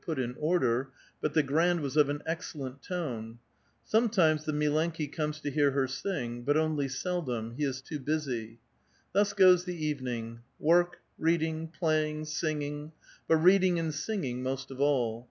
put in order ; but the grand was of an excellent tone. Some times the milenkl comes to hear her sing ; but only seldom : he is too busy. Thus goes the evening : work, reading, play ing, singing; but reading and singing most of all.